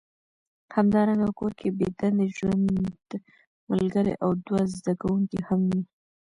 همدارنګه کور کې بې دندې ژوند ملګری او دوه زده کوونکي هم وي